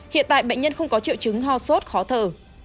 hiện tại bệnh nhân không có triệu chứng ho sốt khó thở